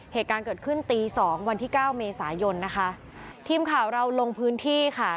เหตุการณ์เกิดขึ้นตีสองวันที่เก้าเมษายนนะคะทีมข่าวเราลงพื้นที่ค่ะ